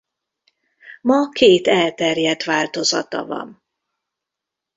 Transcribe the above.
Ma két elterjedt változata van.